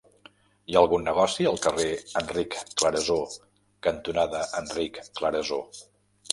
Hi ha algun negoci al carrer Enric Clarasó cantonada Enric Clarasó?